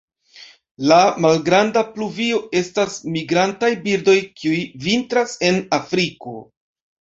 La Malgranda pluvio estas migrantaj birdoj kiuj vintras en Afriko.